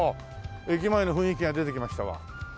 駅前の雰囲気が出てきましたわ。